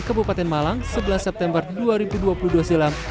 kabupaten malang sebelas september dua ribu dua puluh dua silam